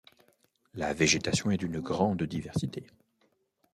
La végétation est d'une grande diversité.